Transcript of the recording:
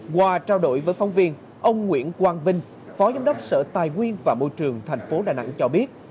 qua trao đổi với phong viên ông nguyễn quang vinh phó giám đốc sở tài nguyên và môi trường thành phố đà nẵng cho biết